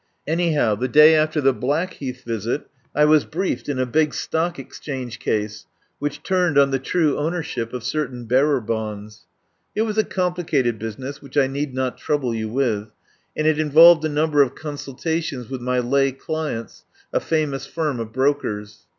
Anyhow, the day after the Black heath visit I was briefed in a big Stock Ex change case, which turned on the true owner ship of certain bearer bonds. It was a com plicated business which I need not trouble you with, and it involved a number of consulta tions with my lay clients, a famous firm of brokers.